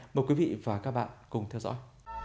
mời quý vị và các bạn cùng theo dõi